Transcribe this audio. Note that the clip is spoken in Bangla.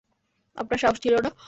আপনার সাহস ছিল না?